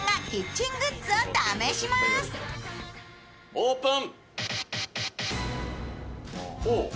オープン。